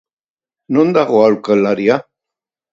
Non dago aholkuaria?